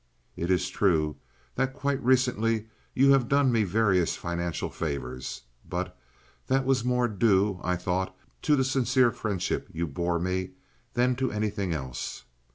It is true that quite recently you have done me various financial favors, but that was more due, I thought, to the sincere friendship you bore me than to anything else.